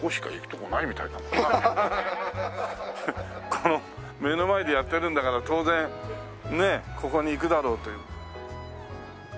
この目の前でやってるんだから当然ねえここに行くだろうという。